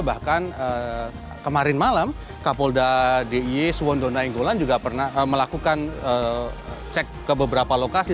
bahkan kemarin malam kapolda d i e suwondo nainggolan juga pernah melakukan cek ke beberapa lokasi